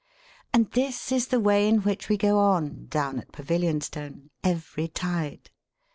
And this is the way in which we go on, down at Pavilionstone, every tide.